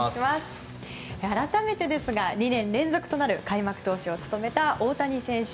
改めてですが２年連続となる開幕投手を務めた大谷選手。